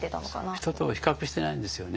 人と比較してないんですよね。